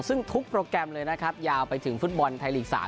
ซึ่งทุกโปรแกรมเลยนะครับยาวไปถึงฟุตบอลไทยลีก๓